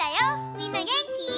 みんなげんき？